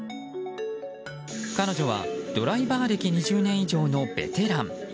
彼女はドライバー歴２０年以上のベテラン。